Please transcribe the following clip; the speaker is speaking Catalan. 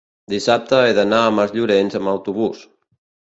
dissabte he d'anar a Masllorenç amb autobús.